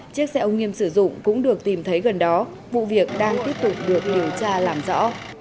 chiếc xe ô nghiêm sử dụng cũng được tìm thấy gần đó vụ việc đang tiếp tục được điều tra làm rõ